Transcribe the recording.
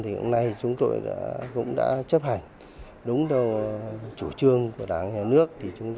hôm nay chúng tôi cũng đã chấp hành đúng đầu chủ trương của đảng hệ nước